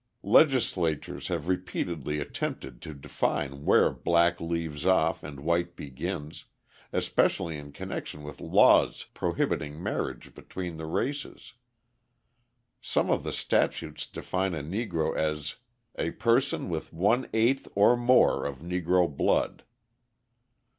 Legislatures have repeatedly attempted to define where black leaves off and white begins, especially in connection with laws prohibiting marriage between the races. Some of the statutes define a Negro as a "person with one eighth or more of Negro blood."